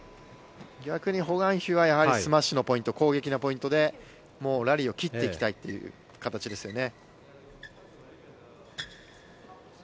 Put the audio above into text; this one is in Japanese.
逆のホ・グァンヒはスマッシュのポイント攻撃のポイントでラリーを切っていきたいという形ですよね。